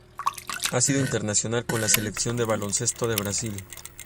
Ha sido internacional con la selección de baloncesto de Brasil.